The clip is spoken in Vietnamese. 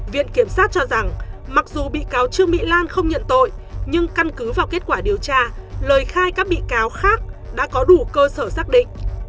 viện kiểm sát cho rằng mặc dù bị cáo trương mỹ lan không nhận tội nhưng căn cứ vào kết quả điều tra lời khai các bị cáo khác đã có đủ cơ sở xác định